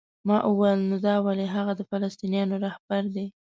ما وویل: نو دا ولې؟ هغه د فلسطینیانو رهبر دی؟